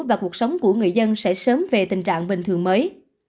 và cuộc sống của người dân sẽ sớm về tình trạng bình thường mới